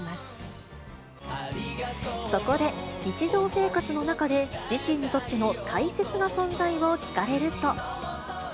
そこで、日常生活の中で自身にとっての大切な存在を聞かれると。